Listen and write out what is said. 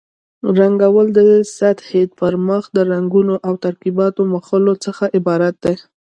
رنګول د سطحې پر مخ د رنګونو له ترکیباتو مښلو څخه عبارت دي.